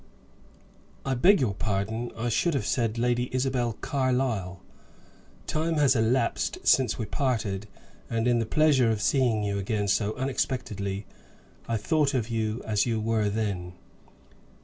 "I beg your pardon I should have said Lady Isabel Carlyle. Time has elapsed since we parted, and in the pleasure of seeing you again so unexpectedly, I thought of you as you were then."